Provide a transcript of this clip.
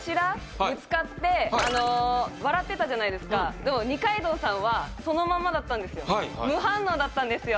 ぶつかって笑ってたじゃないですかでも二階堂さんはそのままだったんですよ無反応だったんですよ